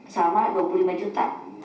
sama dua puluh lima juta